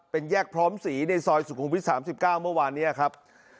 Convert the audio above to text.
เป็นแยกพร้อมสีในซอยสุขุมวิท๓๙เมื่อวานนี้ครับ